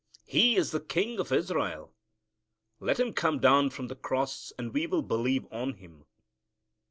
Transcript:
He is the King of Israel. Let Him come down from the cross and we will believe on Him."